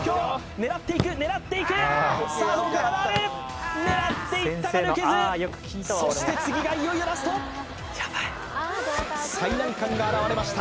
狙っていく狙っていくさあどうかまだある狙っていったが抜けずそして次がいよいよラスト最難関が現れました